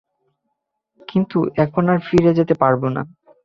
কিন্তু এখন আর ফিরে যেতে পারবো না।